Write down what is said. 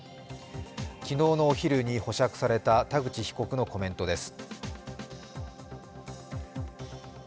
昨日のお昼に保釈された田口被告のコメントです。